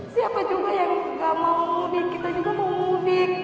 siapa juga yang gak mau mudik kita juga mau mudik